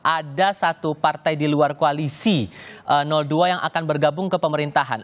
ada satu partai di luar koalisi dua yang akan bergabung ke pemerintahan